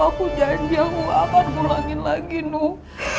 aku janji aku akan pulangin lagi nuh